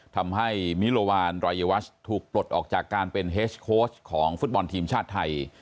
ทำให้มิโลวานรายวัชถูกปลดออกจากการเป็นเฮสโค้ชของฟุตบอลทีมชาติไทย